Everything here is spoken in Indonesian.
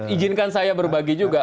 ijinkan saya berbagi juga